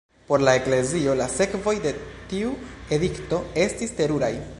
Por la Eklezio, la sekvoj de tiu edikto estis teruraj.